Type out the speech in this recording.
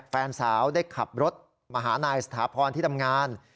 แฟนสาวได้ขับรถมาหานายสถาพรที่ทำงาน